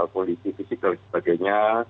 kualitas fisikal dan sebagainya